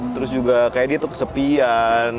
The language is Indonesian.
terus juga kayaknya dia tuh kesepian